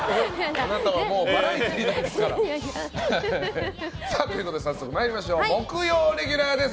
あなたはもうバラエティーですから。ということで早速木曜レギュラーです。